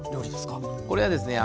これはですね